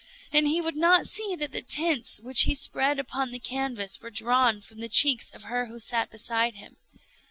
And he would not see that the tints which he spread upon the canvas were drawn from the cheeks of her who sate beside him.